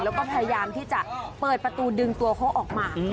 แล้วก็พยายามที่จะเปิดประตูดึงตัวเขาออกมา